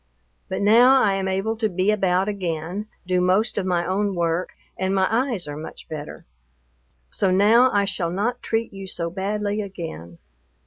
But now I am able to be about again, do most of my own work, and my eyes are much better. So now I shall not treat you so badly again.